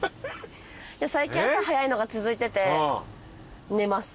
最近朝早いのが続いてて寝ます。